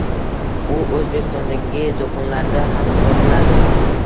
u Oʻzbekistondagi doʻkonlarda ham sotiladi